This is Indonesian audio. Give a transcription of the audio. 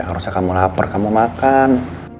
nggak usah kamu lapar kamu makan